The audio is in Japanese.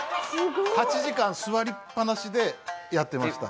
８時間座りっぱなしでやってました。